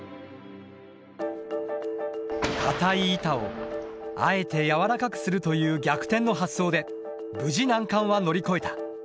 硬い板をあえてやわらかくするという逆転の発想で無事難関は乗り越えた。